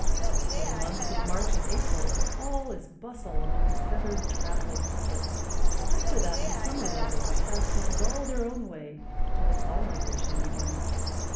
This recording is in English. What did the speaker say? For the months of March and April all is bustle among the feathered traveling public; after that the summer residents have things all their own way till the fall migration begins.